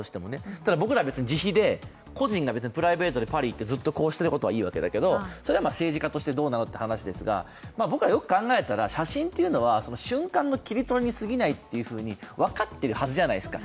ただ、僕らは自費で、個人がプライベートでパリへ行ってこうしていることはいいわけだけど、それは政治家としてどうなのという話ですが僕ら、よく考えたらよく考えたら写真というのは瞬間の切り取りにすぎないと分かっているはずじゃないですか。